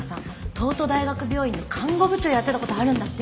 東都大学病院の看護部長やってた事あるんだって。